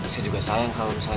saya juga sayang kalau misalnya